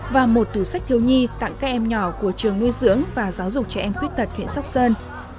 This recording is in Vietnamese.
và một tủ sách thiếu nhi tặng các em nhỏ của trường nuôi dưỡng và giáo dục trẻ em khuyết tật huyện sóc sơn